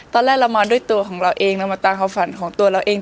ตอนแรกเรามาด้วยตัวของเราเองเรามาตามความฝันของตัวเราเอง